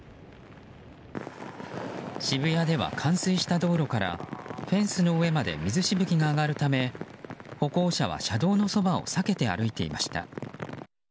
渋谷では冠水した道路からフェンスの上まで水しぶきが上がるため歩行者は車道のそばを避けて歩いていました。